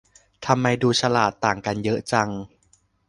ทำไมดูฉลาดต่างกันเยอะจัง